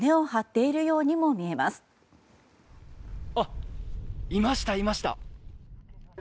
いました、いました。